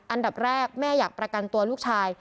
อันดับแรกแม่อยากประกันตัวลูกชาย